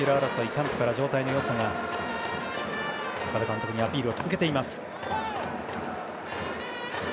キャンプから状態の良さ岡田監督にアピールを続けています。